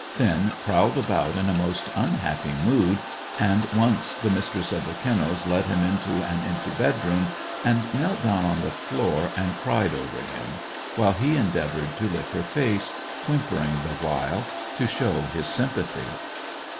Finn prowled about in a most unhappy mood, and once, the Mistress of the Kennels led him into an empty bedroom, and knelt down on the floor and cried over him, while he endeavoured to lick her face, whimpering the while, to show his sympathy.